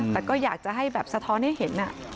แต่ก็อยากจะให้แบบสะท้อนให้เห็น